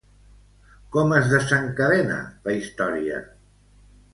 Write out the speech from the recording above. Com es desencadena la història?